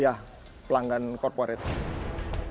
ya pelanggan korporasi